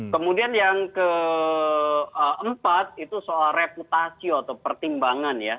kemudian yang keempat itu soal reputasi atau pertimbangan ya